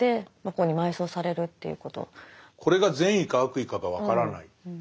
これが善意か悪意かが分からない。